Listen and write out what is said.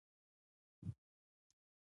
مکتبونه باید څنګه فعال شي؟